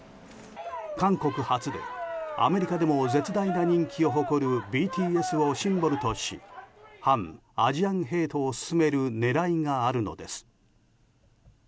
韓国発でアメリカでも絶大な人気を誇るＢＴＳをシンボルとし反アジアンヘイトを進める狙いがあるのです。